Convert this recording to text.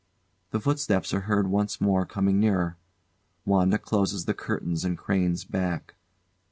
The footsteps are heard once more coming nearer. WANDA closes the curtains and cranes back.